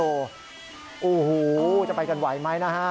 โอ้โหจะไปกันไหวไหมนะฮะ